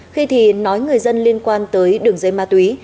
khi thì nói người dân liên quan tới đường dây ma túy